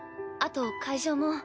あと会場も。